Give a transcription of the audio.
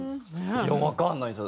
いやわかんないんですよ。